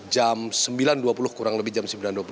jam sembilan dua puluh kurang lebih jam sembilan dua puluh